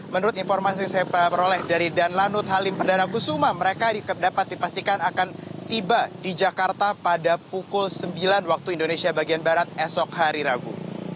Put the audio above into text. mereka dapat dipastikan akan tiba di jakarta pada pukul sembilan waktu indonesia bagian barat esok hari rabu